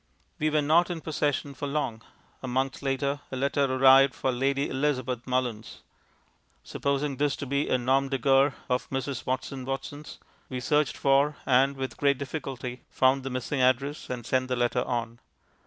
We were not in possession for long. A month later a letter arrived for Lady Elizabeth Mullins. Supposing this to be a nom de guerre of Mrs. Watson Watson's, we searched for, and with great difficulty found, the missing address, and sent the letter on.